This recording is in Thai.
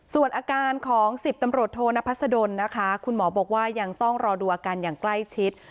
ส่วนอาการของ๑๐ตำรวจโทนพัศดลนะคะคุณหมอบอกว่ายังต้องรอดูอาการอย่างใกล้ชิด